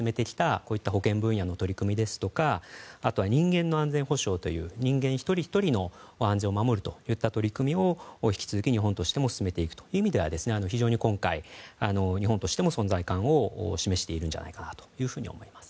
こういった保健分野の取り組みですとかあとは人間の安全保障という人間一人ひとりの安全を守るといった取り組みを引き続き、日本としても進めていくという意味では非常に今回、日本としても存在感を示しているんじゃないかというふうに思います。